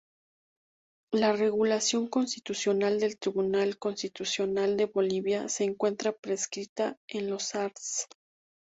La regulación constitucional del Tribunal Constitucional de Bolivia, se encuentra prescrita en los arts.